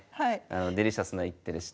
デリシャスな一手でして。